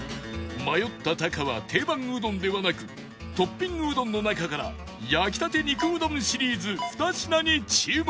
迷ったタカは定番うどんではなくトッピングうどんの中から焼きたて肉うどんシリーズ２品に注目